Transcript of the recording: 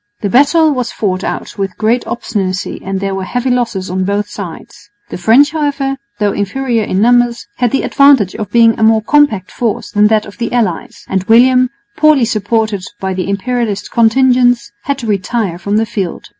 The battle was fought out with great obstinacy and there were heavy losses on both sides. The French, however, though inferior in numbers had the advantage in being a more compact force than that of the allies; and William, poorly supported by the Imperialist contingents, had to retire from the field.